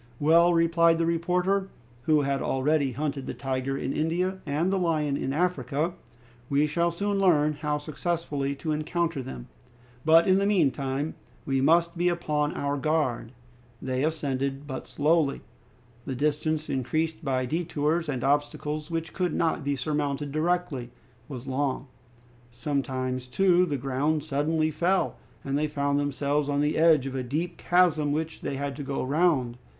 "Well," replied the reporter, who had already hunted the tiger in India, and the lion in Africa, "we shall soon learn how successfully to encounter them. But in the meantime we must be upon our guard!" They ascended but slowly. The distance, increased by detours and obstacles which could not be surmounted directly, was long. Sometimes, too, the ground suddenly fell, and they found themselves on the edge of a deep chasm which they had to go round.